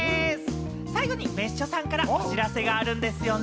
最後に別所さんからお知らせがあるんですよね？